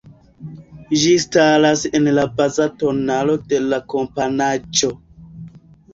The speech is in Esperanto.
Ĝi staras en la baza tonalo de la komponaĵo.